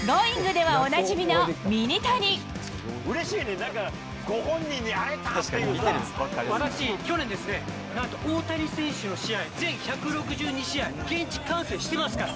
ではおなじみのうれしいね、なんかご本人に私、去年ですね、なんと大谷選手の試合、全１６２試合、現地観戦してますから。